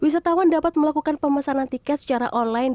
wisatawan dapat melakukan pemesanan tiket secara online